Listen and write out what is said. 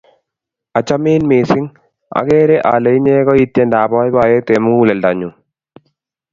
Achamin missing', akere ale inye koi tyendap poipoyet eng' muguleldanyu.